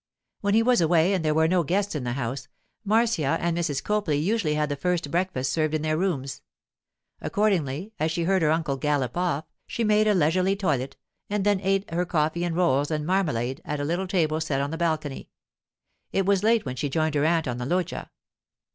When he was away and there were no guests in the house, Marcia and Mrs. Copley usually had the first breakfast served in their rooms. Accordingly, as she heard her uncle gallop off, she made a leisurely toilet, and then ate her coffee and rolls and marmalade at a little table set on the balcony. It was late when she joined her aunt on the loggia.